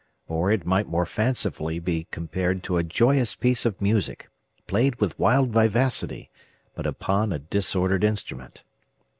Or, it might more fancifully be compared to a joyous piece of music, played with wild vivacity, but upon a disordered instrument.